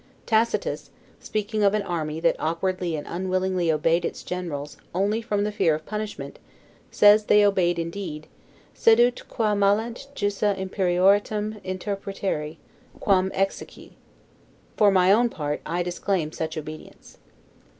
Tacitus, speaking of an army that awkwardly and unwillingly obeyed its generals only from the fear of punishment, says, they obeyed indeed, 'Sed ut qua mallent jussa Imperatorum interpretari, quam exequi'. For my own part, I disclaim such obedience.